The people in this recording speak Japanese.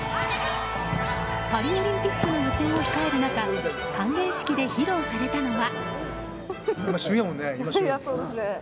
パリオリンピックの予選を控える中歓迎式で披露されたのは。